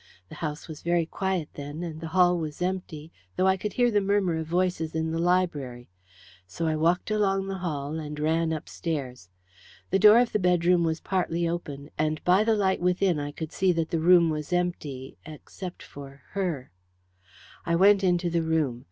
The house was very quiet then, and the hall was empty, though I could hear the murmur of voices in the library, so I walked along the hall and ran upstairs. The door of the bedroom was partly open, and by the light within I could see that the room was empty except for her. I went into the room.